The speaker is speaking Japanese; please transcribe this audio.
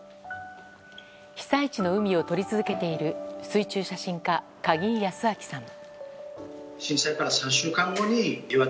被災地の海を撮り続けている水中写真家、鍵井靖章さん。